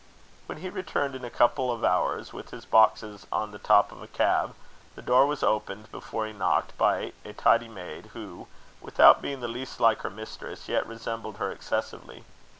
When he returned in a couple of hours, with his boxes on the top of a cab, the door was opened, before he knocked, by a tidy maid, who, without being the least like her mistress, yet resembled her excessively.